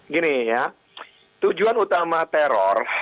gini ya tujuan utama teror